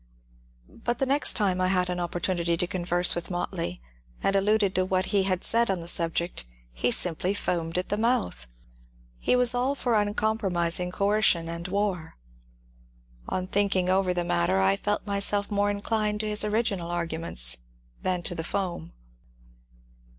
*^ But the next time I had an opportunity to converse with Motley, and alluded to what he had said on the subject, he simply foamed at the mouth. He was all for uncompromising coercion and war. On thinking over the matter, I felt myself more inclined to his original arguments than to tiie foam."